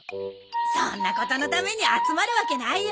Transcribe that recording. そんなことのために集まるわけないよ。